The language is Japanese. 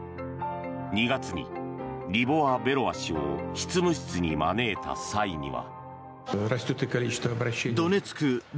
２月にリボワ・ベロワ氏を執務室に招いた際には。